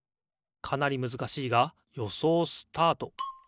かなりむずかしいがよそうスタート。